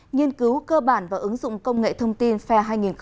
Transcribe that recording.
nghiên cứu cơ bản và ứng dụng công nghệ thông tin phe hai nghìn hai mươi